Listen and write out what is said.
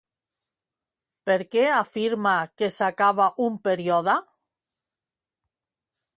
Per què afirma que s'acaba un període?